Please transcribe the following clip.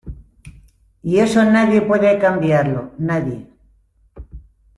y eso nadie puede cambiarlo, nadie.